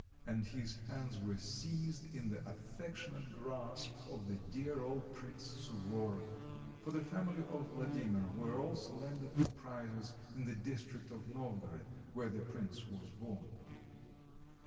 and his hands were seized in the affectionate grasp of the dear old Prince Suvoroff; for the family of Vladimir were also landed proprietors in the district of Novgorod, where the prince was born.